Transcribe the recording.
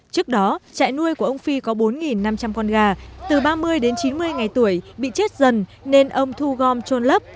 trước đó trại nuôi của ông phi có bốn năm trăm linh con gà từ ba mươi đến chín mươi ngày tuổi bị chết dần nên ông thu gom trôn lấp